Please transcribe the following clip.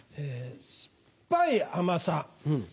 「酸っぱい」「甘さ」。